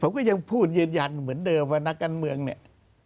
เขาก็ยังพูดยืนยันเหมือนเดิมว่านักการเมืองเนี่ย